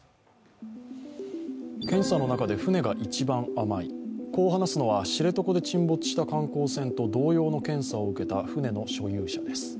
検査の中で船が一番甘い、こう話すのは知床で沈没した観光船と同様の検査を受けた船の所有者です。